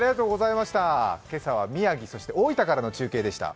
今朝は宮城、そして大分からの中継でした。